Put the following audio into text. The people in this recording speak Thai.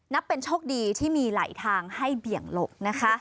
นับเป็นโชคดีที่มีไหลทางให้เบี่ยงหลบนะคะ